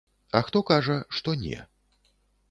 А хто кажа, што не.